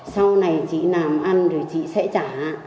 sau này chị làm ăn rồi chị sẽ trả